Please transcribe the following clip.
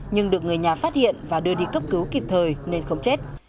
nhưng được người nhà phát hiện và đưa đi cấp cứu kịp thời nên không chết